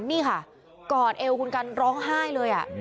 นี่ค่ะกอดเอวคุณกันร้องไห้เลย